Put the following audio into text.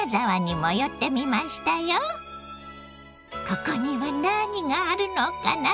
ここには何があるのかな？